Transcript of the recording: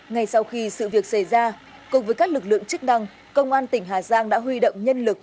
ngay sau khi sự việc xảy ra cùng với các lực lượng chức năng công an tỉnh hà giang đã huy động nhân lực